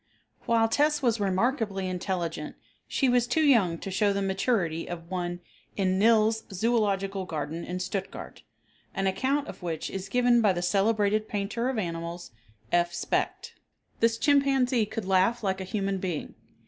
While "Tess" was remarkably intelligent she was too young to show the maturity of one in Nills' Zoological Garden in Stuttgart, an account of which is given by the celebrated painter of animals, F. Specht. This chimpanzee could laugh like a human being.